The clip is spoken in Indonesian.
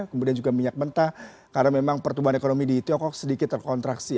kemudian juga minyak mentah karena memang pertumbuhan ekonomi di tiongkok sedikit terkontraksi